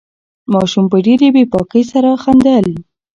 ماشوم په ډېرې بې باکۍ سره خندل.